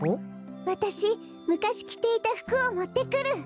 わたしむかしきていたふくをもってくる。